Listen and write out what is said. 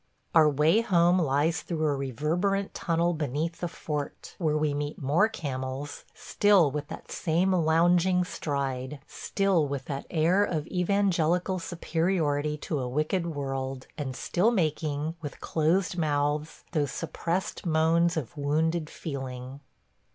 ... Our way home lies through a reverberant tunnel beneath the fort, where we meet more camels still with that same lounging stride, still with that air of evangelical superiority to a wicked world, and still making, with closed mouths, those suppressed moans of wounded feeling.